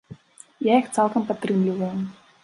Я іх цалкам падтрымліваю.